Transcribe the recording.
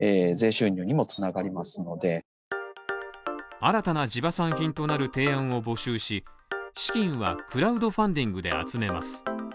新たな地場産品となる提案を募集し、資金はクラウドファンディングで集めます。